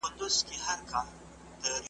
غرڅه هغو پښو له پړانګه وو ژغورلی ,